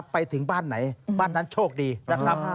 ไปถึงบ้านไหนบ้านนั้นโชคดีนะครับ